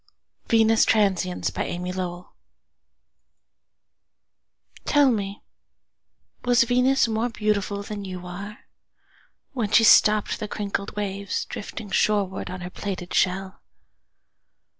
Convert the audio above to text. Venus Transiens By Amy Lowell TELL me, Was Venus more beautifulThan you are, When she stoppedThe crinkled waves, Drifting shorewardOn her plaited shell?